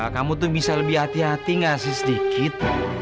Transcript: kamu tuh bisa lebih hati hati gak sih sedikit